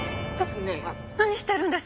何してるんです！？